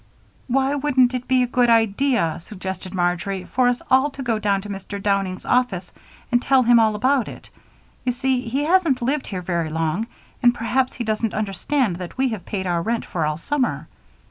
"Why wouldn't it be a good idea," suggested Marjory, "for us all to go down to Mr. Downing's office and tell him all about it? You see, he hasn't lived here very long and perhaps he doesn't understand that we have paid our rent for all summer."